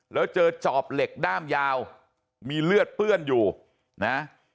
แล้วเจอจอบเหล็กด้ามยาวมีเลือดเปื้อนอยู่นะ